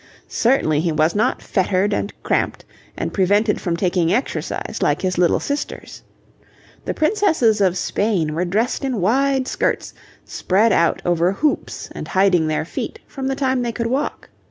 Certainly he was not fettered and cramped and prevented from taking exercise like his little sisters. The princesses of Spain were dressed in wide skirts, spread out over hoops and hiding their feet, from the time they could walk.